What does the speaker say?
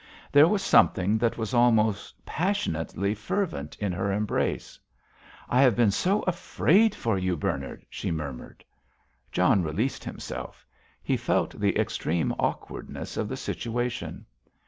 There was something that was almost passionately fervent in her embrace. "I have been so afraid for you, Bernard," she murmured. John released himself. He felt the extreme awkwardness of the situation.